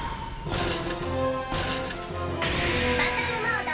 バトルモード